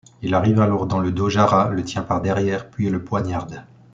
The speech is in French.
Il arrive alors dans le dos Jara, le tient par derrière puis le poignarde.